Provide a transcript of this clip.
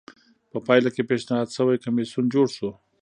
په پایله کې پېشنهاد شوی کمېسیون جوړ شو